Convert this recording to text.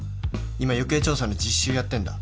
今行方調査の実習やってんだ。